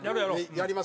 やります。